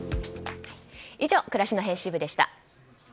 以上、暮らしの編集部でした。